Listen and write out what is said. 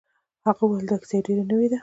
هغه وویل چې دا کیسه ډیره نوې ده.